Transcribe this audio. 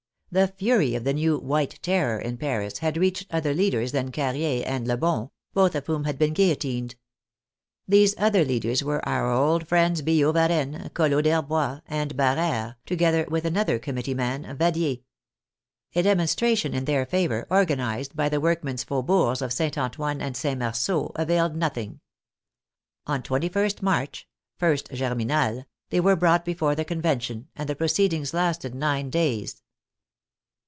The fury of the new " White Terror " in Paris had reached other leaders than Carrier and Lebon, both of whom had been guillotined. These other leaders were our old friends Billaud Varennes, Collot D'Herbois and Barere, together with another committee man, Vadier. A dem onstration in their favor, organized by the workmen's faubourgs of St. Antoine and St. Marceau, availed noth ing. On 2 1 St March (ist Germinal) they were brought before the Convention, and the proceedings lasted nine days.